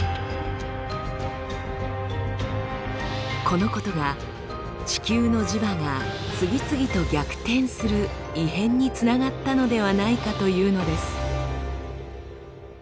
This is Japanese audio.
このことが地球の磁場が次々と逆転する異変につながったのではないかというのです。